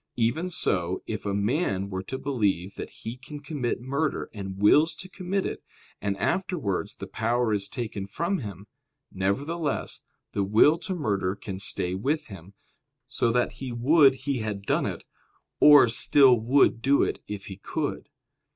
Even so, if a man were to believe that he can commit murder, and wills to commit it, and afterwards the power is taken from him; nevertheless, the will to murder can stay with him, so that he would he had done it, or still would do it if he could.